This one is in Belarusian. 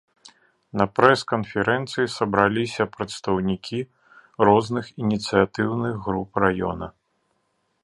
На прэс-канферэнцыі сабраліся прадстаўнікі розных ініцыятыўных груп раёна.